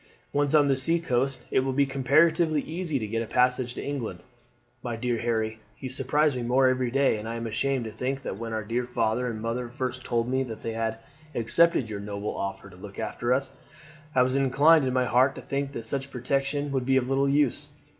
Once on the sea coast it will be comparatively easy to get a passage to England. My dear Harry, you surprise me more every day, and I am ashamed to think that when our dear father and mother first told me that they had accepted your noble offer to look after us, I was inclined in my heart to think that such protection would be of little use.